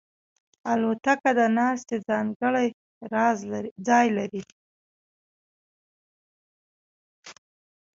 الوتکه د ناستې ځانګړی ځای لري.